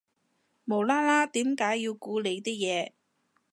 無啦啦點解要估你啲嘢